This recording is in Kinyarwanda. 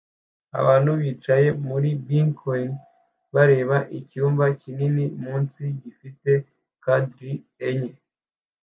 Abantu bicaye muri bkoni bareba icyumba kinini munsi gifite kanderi enye